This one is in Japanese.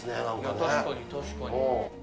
確かに、確かに。